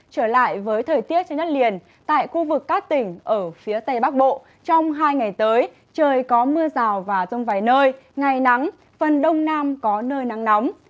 trở lại với thời tiết trên đất liền tại khu vực các tỉnh ở phía tây bắc bộ trong hai ngày tới trời có mưa rào và rông vài nơi ngày nắng phần đông nam có nơi nắng nóng